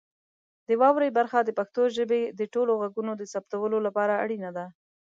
د واورئ برخه د پښتو ژبې د ټولو غږونو د ثبتولو لپاره اړینه ده.